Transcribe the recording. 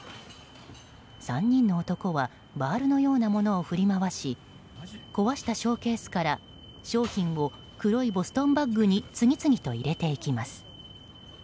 ３人の男はバールのようなものを振り回し壊したショーケースから商品を黒いボストンバッグに次々と入れていきます。